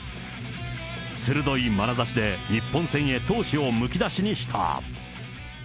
鋭いまなざしで、日本戦へ闘志をむき出しにした。